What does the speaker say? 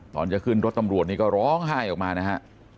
ตอนจะขึ้นรถตำรวจนี่ก็ร้องไห้ออกมานะฮะ